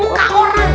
itu muka orang